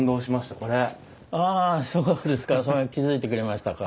そうですかそれに気付いてくれましたか。